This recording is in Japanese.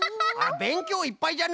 べんきょういっぱいじゃな！